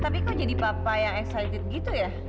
tapi kok jadi papa yang excited gitu ya